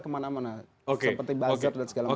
kemana mana seperti bazar dan segala macam itu